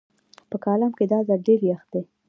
په کالام کې دا ځل ډېر يخ دی